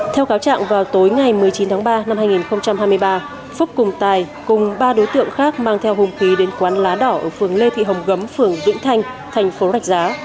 theo cáo trạng vào tối ngày một mươi chín tháng ba năm hai nghìn hai mươi ba phúc cùng tài cùng ba đối tượng khác mang theo hùng khí đến quán lá đỏ ở phường lê thị hồng gấm phường vĩnh thanh thành phố rạch giá